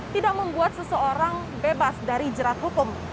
tidak membuat seseorang bebas dari jerat hukum